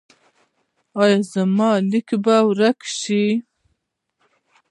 ایا زما لکې به ورکې شي؟